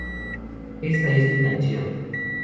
Esta es mi canción".